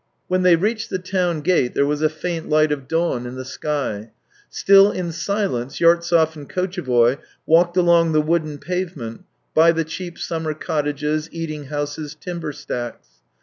When they reached the town gate there was a faint light of dawn in the sky. Still in silence, Yartsev and Kotchevoy walked along the wooden pavement, by the cheap summer cottages, eating houses, timber stacks.